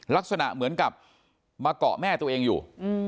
ลักษณะเหมือนกับมาเกาะแม่ตัวเองอยู่